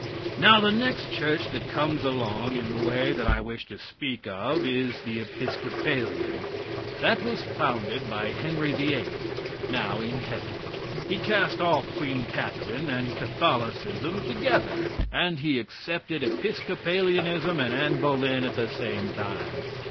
Now, the next Church that comes along in the way that I wish to speak of is the Episcopalian. That was founded by Henry VIII., now in heaven. He cast off Queen Catherine and Catholicism together. And he accepted Episcopalianism and Annie Boleyn at the same time.